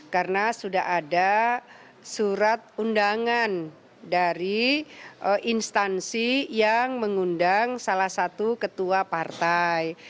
karena sudah ada surat undangan dari instansi yang mengundang salah satu ketua partai